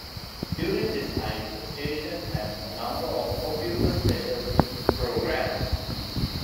During this time the station had a number of popular specialty programs.